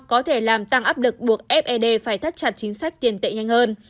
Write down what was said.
có thể làm tăng áp lực buộc fed phải thắt chặt chính sách tiền tệ nhanh hơn